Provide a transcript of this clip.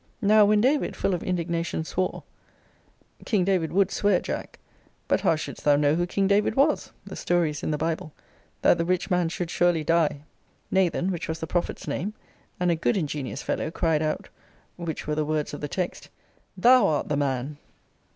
Now, when David, full of indignation, swore [King David would swear, Jack: But how shouldst thou know who King David was? The story is in the Bible,] that the rich man should surely die; Nathan, which was the prophet's name, and a good ingenious fellow, cried out, (which were the words of the text,) Thou art the man!